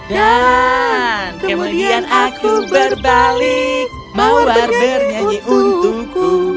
dan kemudian aku berbalik mawar bernyanyi untukku